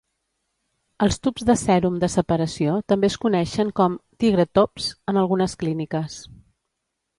Els tubs de sèrum de separació també es coneixen com "tigre-tops" en algunes clíniques.